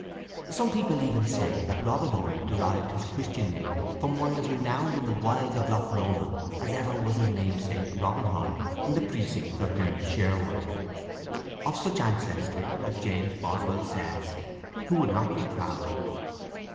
Some people even say that Robin Oig derived his Christian name from one as renowned in the wilds of Loch Lomond as ever was his namesake, Robin Hood, in the precincts of merry Sherwood. "Of such ancestry," as James Boswell says, "who would not be proud?"